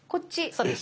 そうです。